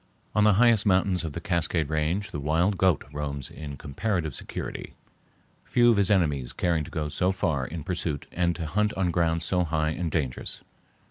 On the highest mountains of the Cascade Range the wild goat roams in comparative security, few of his enemies caring to go so far in pursuit and to hunt on ground so high and dangerous.